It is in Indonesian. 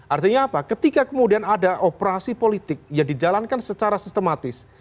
artinya apa ketika kemudian ada operasi politik yang dijalankan secara sistematis